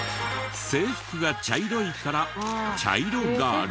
制服が茶色いから茶色ガールズ。